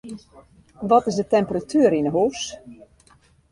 Wat is de temperatuer yn 'e hûs?